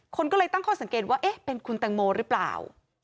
คนก็เลยตั้งข้อสังเกตว่าเอ๊ะเป็นคุณแตงโมหรือเปล่า